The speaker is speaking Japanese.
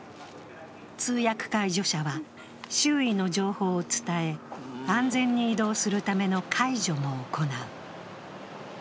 通訳介助者は周囲の情報を伝え、安全に移動するための介助も行う。